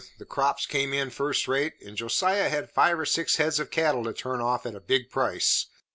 The crops come in first rate, and Josiah had five or six heads of cattle to turn off at a big price.